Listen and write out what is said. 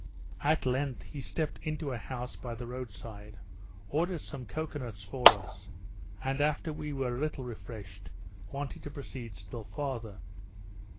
At length he stepped into a house by the road side, ordered some cocoa nuts for us, and after we were a little refreshed, wanted to proceed still farther.